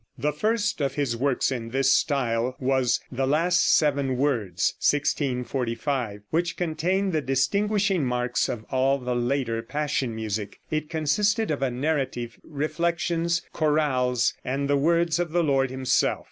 The first of his works in this style was the "Last Seven Words" (1645), which contained the distinguishing marks of all the later Passion music. It consisted of a narrative, reflections, chorales, and the words of the Lord Himself.